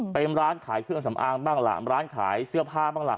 เป็นร้านขายเครื่องสำอางบ้างล่ะร้านขายเสื้อผ้าบ้างล่ะ